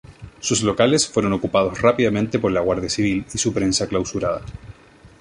Sus locales fueron ocupados rápidamente por la Guardia Civil y su prensa clausurada.